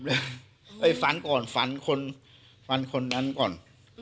ไปฝันก่อนฝันคนฟันคนนั้นก่อน